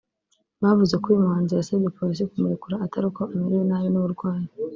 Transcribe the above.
bavuze ko uyu muhanzi yasabye Polisi kumurekura atari uko amerewe nabi n’uburwayi